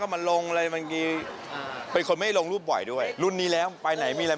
ก็คือมานึกถึงอารมณ์แบบเอาในอารมณ์